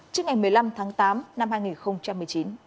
trước ngày một mươi năm tháng tám năm hai nghìn một mươi chín